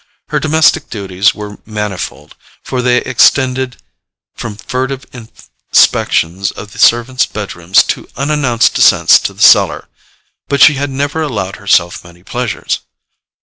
Her domestic duties were manifold, for they extended from furtive inspections of the servants' bedrooms to unannounced descents to the cellar; but she had never allowed herself many pleasures.